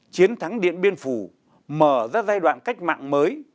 chiến thắng điện biên phủ mở ra giai đoạn cách mạng mới